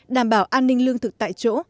đảm bảo an ninh lương thực tại chỗ